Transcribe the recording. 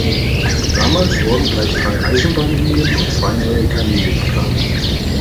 Damals wurden gleich drei Eisenbahnlinien und zwei neue Kanäle geplant.